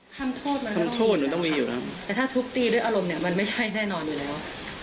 ทำโทษมันต้องมีอยู่นะครับแต่ถ้าทุบตีด้วยอารมณ์มันไม่ใช่แน่นอนอยู่แล้ว